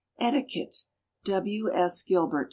_) ETIQUETTE. W. S. GILBERT.